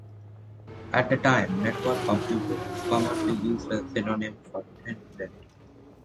At the time, 'network computer' was commonly used as a synonym for 'thin client'.